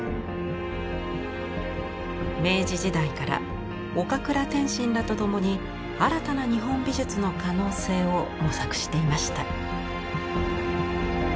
明治時代から岡倉天心らと共に新たな日本美術の可能性を模索していました。